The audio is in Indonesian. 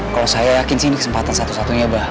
kalau saya yakin sih ini kesempatan satu satunya mbak